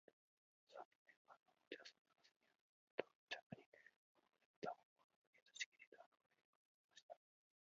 空とぶ円盤のほうでは、そんなうわさにはむとんじゃくに、このごろでは、また、ほうぼうの国へと、しきりと、あらわれるようになりました。